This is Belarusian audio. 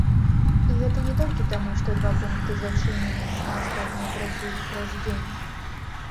І гэта не толькі таму, што два пункты зачыненыя, а астатнія працуюць праз дзень.